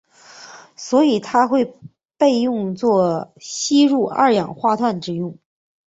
所以它会被用作吸收二氧化碳之用。